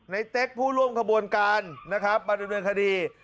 เต๊กผู้ร่วมขบวนการนะครับมาดำเนินคดี